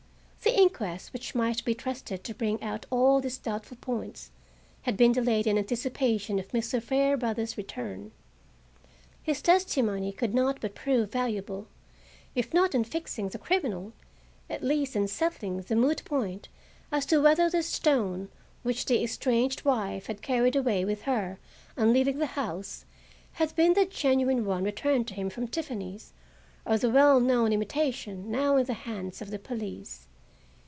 The inquest, which might be trusted to bring out all these doubtful points, had been delayed in anticipation of Mr. Fairbrother's return. His testimony could not but prove valuable, if not in fixing the criminal, at least in settling the moot point as to whether the stone, which the estranged wife had carried away with her on leaving the house, had been the genuine one returned to him from Tiffany's or the well known imitation now in the hands of the police.